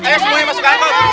ayo semuanya masuk ke angkong